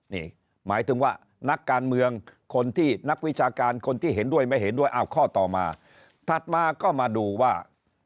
นี่หมายถึงว่านักการเมืองคนที่นักวิชาการคนที่เห็นด้วยไม่เห็นด้วยอ้าวข้อต่อมาถัดมาก็มาดูว่า